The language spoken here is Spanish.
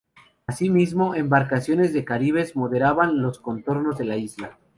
Asimismo, embarcaciones de caribes merodeaban los contornos de la isla.